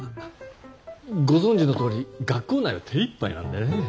ご存じのとおり学校内は手いっぱいなんでね。